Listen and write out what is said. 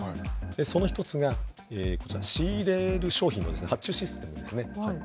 その１つが、こちら、仕入れる商品の発注システムですね。